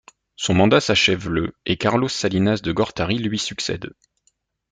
Son mandat s'achève le et Carlos Salinas de Gortari lui succède.